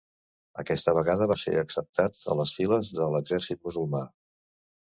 Aquesta vegada va ser acceptat a les files de l'exèrcit musulmà.